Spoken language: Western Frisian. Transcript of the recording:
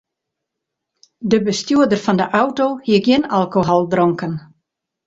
De bestjoerder fan de auto hie gjin alkohol dronken.